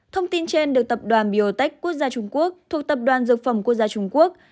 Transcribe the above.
thông tin trên được tập đoàn biotech quốc gia trung quốc thuộc tập đoàn dược phẩm quốc gia trung quốc